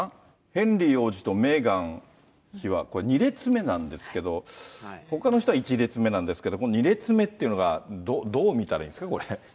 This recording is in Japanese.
ヘンリー王子とメーガン妃は、これ、２列目なんですけど、ほかの人は１列目なんですけれども、この２列目っていうのが、どう見たらいいんですか？